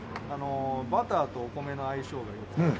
バターとお米の相性が良くて。